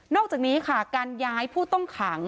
อกจากนี้ค่ะการย้ายผู้ต้องขัง